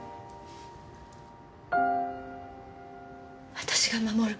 私が守る。